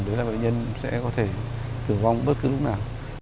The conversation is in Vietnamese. đấy là bệnh nhân sẽ có thể tử vong bất cứ lúc nào